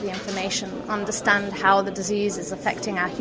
dan itu membutuhkan waktu untuk kita mengumpulkan informasi